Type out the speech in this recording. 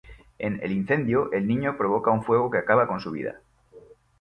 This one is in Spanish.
En "El incendio", el niño provoca un fuego que acaba con su vida.